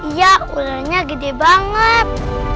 iya ularnya gede banget